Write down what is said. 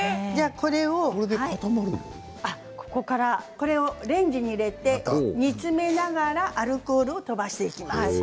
これを電子レンジに入れて煮詰めながらアルコールを飛ばしていきます。